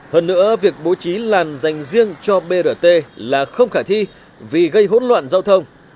hơn nữa việc bố trí làn dành riêng cho brt là không khả thi vì gây hỗn loạn giao thông